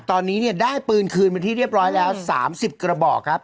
ตอนนี้เนี่ยได้ปืนคืนเป็นที่เรียบร้อยแล้ว๓๐กระบอกครับ